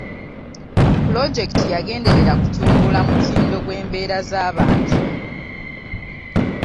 Pulojekiti yagenderera kutumbula mutindo gw'embeera z'abantu.